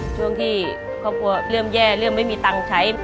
ช่วงที่ครอบครัวเริ่มแย่เริ่มไม่มีตังค์ใช้